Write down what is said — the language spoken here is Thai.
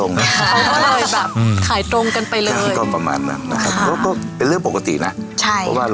นักลายมันเป็นของดีอย่างที่ว่าร์